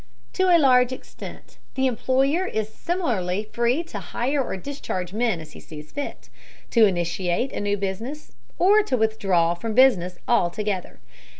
To a large extent, the employer is similarly free to hire or discharge men as he sees fit, to initiate a new business, or to withdraw from business altogether.